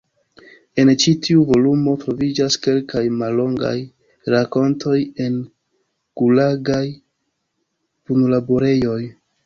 En ĉi tiu volumo troviĝas kelkaj mallongaj rakontoj el Gulagaj punlaborejoj.